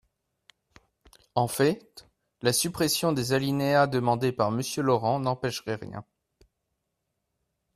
En fait, la suppression des alinéas demandée par Monsieur Laurent n’empêcherait rien.